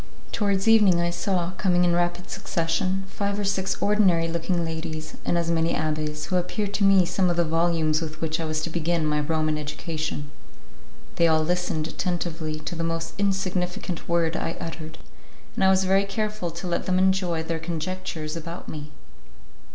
Towards evening I saw, coming in rapid succession, five or six ordinary looking ladies, and as many abbés, who appeared to me some of the volumes with which I was to begin my Roman education. They all listened attentively to the most insignificant word I uttered, and I was very careful to let them enjoy their conjectures about me.